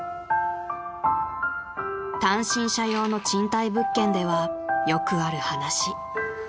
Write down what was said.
［単身者用の賃貸物件ではよくある話］